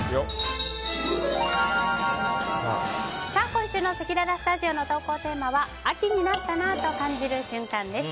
今週のせきららスタジオの投稿テーマは秋になったなぁと感じる瞬間です。